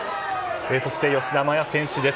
そして吉田麻也選手です。